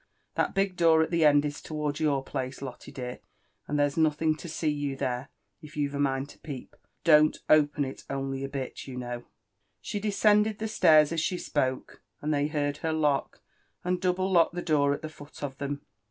That big door at the end is t' wards your place, Lotte dear, and there's nothing to see you there, if you've a mind to peep; biit don't open it only a bit, you know." She descended the stairs as she spoke, and they heard her lock and double lock the door at the foot of them.